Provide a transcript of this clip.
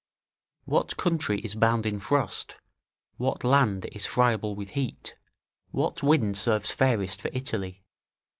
["What country is bound in frost, what land is friable with heat, what wind serves fairest for Italy."